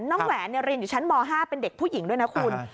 แหวนเรียนอยู่ชั้นม๕เป็นเด็กผู้หญิงด้วยนะคุณ